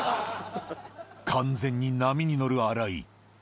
完全に波に乗る荒井。